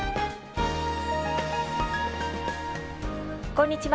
こんにちは